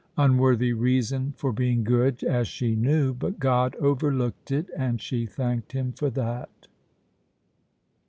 Unworthy reason for being good, as she knew, but God overlooked it, and she thanked Him for that.